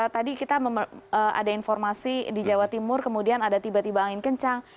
tadi kita ada informasi di jawa timur kemudian ada tiba tiba angin kencang